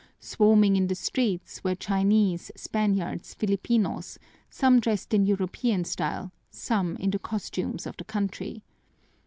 Swarming in the streets were Chinese, Spaniards, Filipinos, some dressed in European style, some in the costumes of the country.